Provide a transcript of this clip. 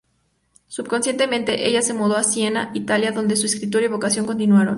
Subsecuentemente, ella se mudo a Siena, Italia donde su escritura y vocación continuaron.